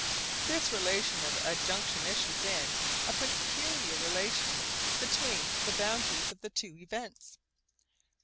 This relation of adjunction issues in a peculiar relation between the boundaries of the two events.